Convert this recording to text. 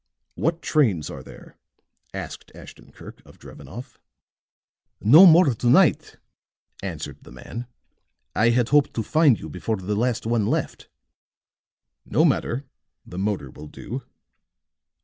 "What trains are there?" asked Ashton Kirk of Drevenoff. "No more to night," answered the man. "I had hoped to find you before the last one left." "No matter the motor will do."